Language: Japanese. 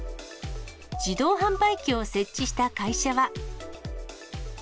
自動販売機を設置した会社は。